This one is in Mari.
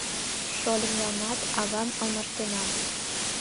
Шольымланат авам алмаштенам...